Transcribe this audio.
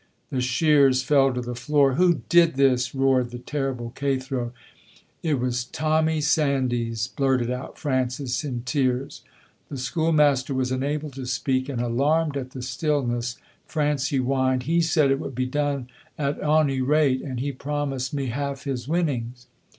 The shears fell to the floor. "Who did this?" roared the terrible Cathro. "It was Tommy Sandys," blurted out Francis, in tears. The school master was unable to speak, and, alarmed at the stillness, Francie whined, "He said it would be done at ony rate, and he promised me half his winnings."